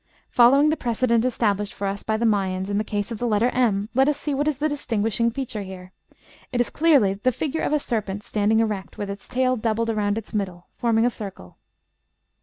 Following the precedent established for us by the Mayas in the case of the letter m, let us see what is the distinguishing feature here; it is clearly the figure of a serpent standing erect, with its tail doubled around its middle, forming a circle.